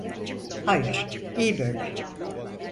Hayır, iyi böyle.